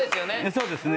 そうですね。